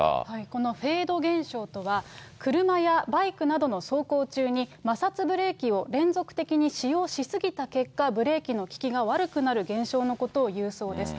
このフェード現象とは、車やバイクなどの走行中に、摩擦ブレーキを連続的に使用し過ぎた結果、ブレーキの利きが悪くなる現象のことを言うそうです。